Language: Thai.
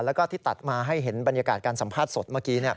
แล้วก็ที่ตัดมาให้เห็นบรรยากาศการสัมภาษณ์สดเมื่อกี้